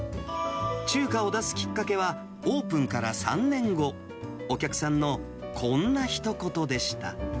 中華を出すきっかけは、オープンから３年後、お客さんのこんなひと言でした。